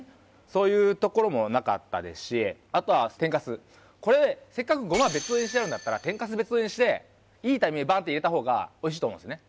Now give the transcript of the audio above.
そういうところもなかったですしあとはせっかく胡麻別添えにしてあるんだったら天かす別添えにしていいタイミングでバンと入れた方がおいしいと思うんですね